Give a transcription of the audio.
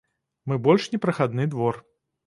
Мы больш не прахадны двор.